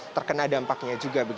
terkena dampaknya juga